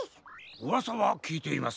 うわさはきいています。